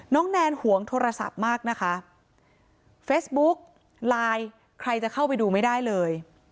แนนหวงโทรศัพท์มากนะคะเฟซบุ๊กไลน์ใครจะเข้าไปดูไม่ได้เลย